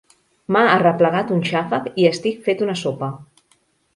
M'ha arreplegat un xàfec i estic fet una sopa.